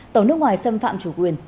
tàu nước ngoài xâm phạm chủ quyền